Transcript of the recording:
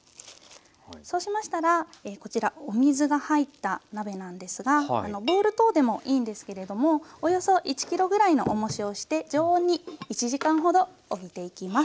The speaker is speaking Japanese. そうしましたらこちらお水が入った鍋なんですがボウル等でもいいんですけれどもおよそ１ｋｇぐらいのおもしをして常温に１時間ほどおいていきます。